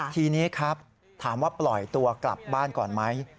ทีนี้ครับถามว่าปล่อยตัวกลับบ้านก่อนไหม